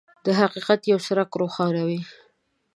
د حقیقت یو څرک روښانوي.